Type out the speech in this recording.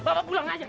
pak pak pulang aja